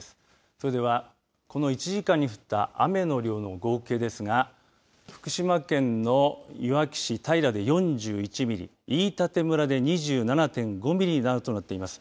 それではこの１時間に降った雨の量の合計ですが福島県のいわき市平で４１ミリ飯舘村で２７．５ミリなどとなっています。